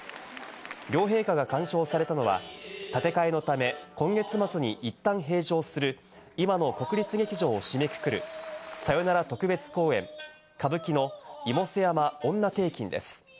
両陛下が鑑賞されたのは建て替えのため、今月末にいったん閉場する、今の国立劇場を締めくくるさよなら特別公演、歌舞伎の『妹背山婦女庭訓』です。